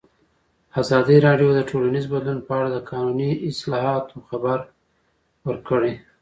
ازادي راډیو د ټولنیز بدلون په اړه د قانوني اصلاحاتو خبر ورکړی.